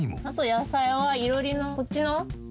あと野菜は囲炉裏のこっちの。